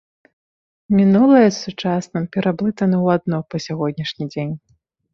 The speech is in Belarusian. Мінулае з сучасным пераблытаны ў адно па сягонняшні дзень.